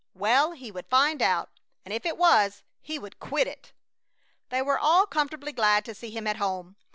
Well, he would find out, and if it was, he would quit it! They were all comfortably glad to see him at home.